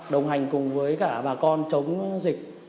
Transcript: đồng hành cùng với cả bà con chống dịch